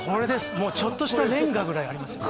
もうちょっとしたレンガぐらいありますよね